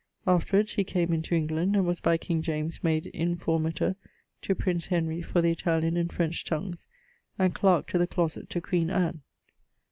Afterwards he came into England, and was by king James made 'informator' to prince Henry for the Italian and French tongues, and clarke to the closet to queen Anne.